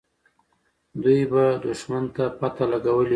دوی به دښمن ته پته لګولې وي.